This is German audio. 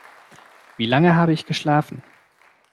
Wie lange habe ich geschlafen?